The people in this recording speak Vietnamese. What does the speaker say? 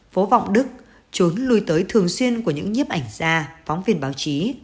phố vọng đức trốn lùi tới thường xuyên của những nhiếp ảnh ra phóng viên báo chí